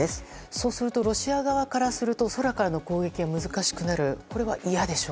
そうするとロシア側からすると空からの攻撃は難しくなる。